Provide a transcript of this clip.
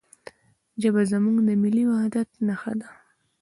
ژبه زموږ د ملي وحدت نښه ده.